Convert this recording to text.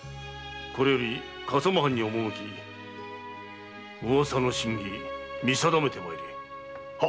これより笠間藩に赴き噂の真偽見定めてまいれ。